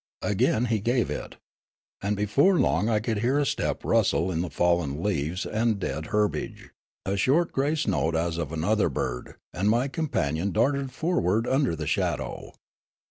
Again ha gave it. And before long I could hear a step rustle in the fallen leaves and dead herbage ; a short grace note as of another bird, and my companion darted forward under the shadow.